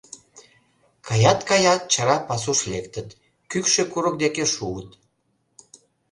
Каят, каят, чара пасуш лектыт, кӱкшӧ курык деке шуыт.